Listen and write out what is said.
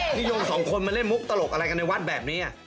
พี่ยง๒คนมันเล่นมุกตลกอะไรกันในวัดแบบนี้